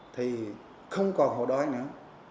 thì không còn hộ đói nữa